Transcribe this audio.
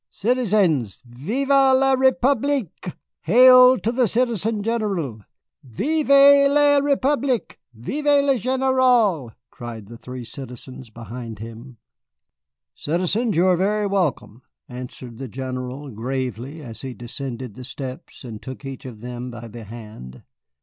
Citoyens, Vive la République! Hail to the Citizen General!" "Vive la République! Vive le Général!" cried the three citizens behind him. "Citizens, you are very welcome," answered the General, gravely, as he descended the steps and took each of them by the hand.